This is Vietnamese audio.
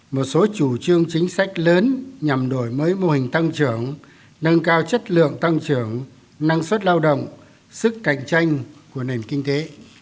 một số chủ trương chính sách lớn nhằm đổi mới mô hình tăng trưởng nâng cao chất lượng tăng trưởng năng suất lao động sức cạnh tranh của nền kinh tế